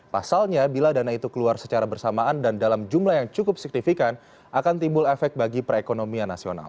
pasalnya bila dana itu keluar secara bersamaan dan dalam jumlah yang cukup signifikan akan timbul efek bagi perekonomian nasional